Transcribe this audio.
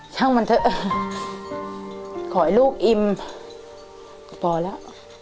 ช่างมันเถอะขอให้ลูกอิ่มก็พอแล้ว